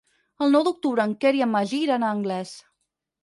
El nou d'octubre en Quer i en Magí iran a Anglès.